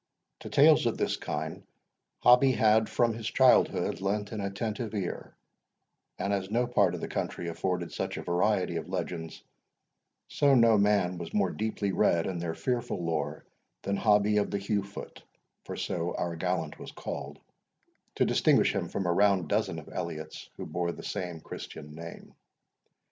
To tales of this kind Hobbie had, from his childhood, lent an attentive ear; and as no part of the country afforded such a variety of legends, so no man was more deeply read in their fearful lore than Hobbie of the Heugh foot; for so our gallant was called, to distinguish him from a round dozen of Elliots who bore the same Christian name.